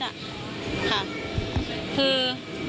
ค่ะคือ